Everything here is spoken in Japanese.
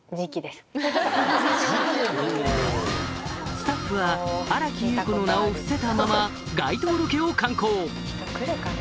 スタッフは新木優子の名を伏せたまま街頭ロケを敢行人来るかな？